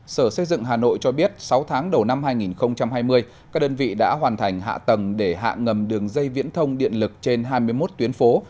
sở xây dựng hà nội cho biết sáu tháng đầu năm hai nghìn hai mươi các đơn vị đã hoàn thành hạ tầng để hạ ngầm đường dây viễn thông điện lực trên hai mươi một tuyến phố